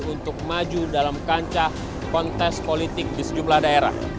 untuk maju dalam kancah kontes politik di sejumlah daerah